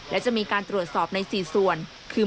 และจะมีการตรวจสอบใน๔ส่วนคือ